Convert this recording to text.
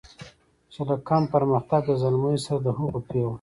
چې له کم پرمختګه زلمیو سره د هغو پیغلو